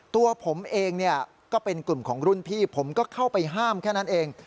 ตัวผมเองเนี่ยก็เป็นกลุ่มของรุ่นพี่ผมก็เข้าไปห้ามแค่นั้นเอง